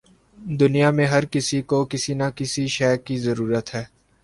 دنیا میں ہر کسی کو کسی نہ کسی شے کی ضرورت ہے